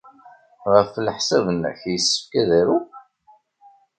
Ɣef leḥsab-nnek, yessefk ad aruɣ?